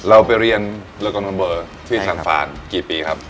เราไปเรียนเรือกองทัมเบอร์ที่สังฟานกี่ปีครับ